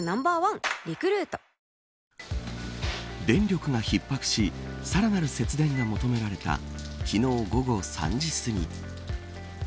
電力がひっ迫しさらなる節電が求められた昨日午後３時すぎ。